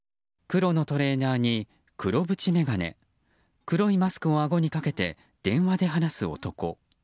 黒のトレーナーに黒縁眼鏡黒いマスクをあごにかけて電話で話す男。